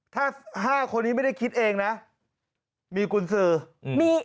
ถ้า๕คนนี้ไม่ได้คิดเองนะมีกุญสือมี